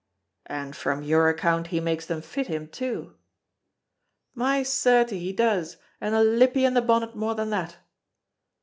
"And from your account he makes them fit him too." "My certie, he does, and a lippie in the bonnet more than that."